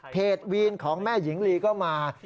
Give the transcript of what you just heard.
วีนของแม่หญิงลีก็มา